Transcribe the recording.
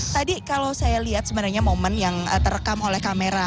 tadi kalau saya lihat sebenarnya momen yang terekam oleh kamera